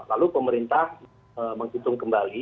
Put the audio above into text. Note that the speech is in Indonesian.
lalu pemerintah menghitung kembali